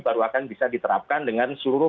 baru akan bisa diterapkan dengan seluruh